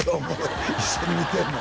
一緒に見てんの？